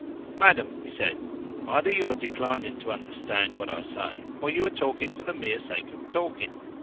"Madam," he said, "either you are declining to understand what I say or you are talking for the mere sake of talking.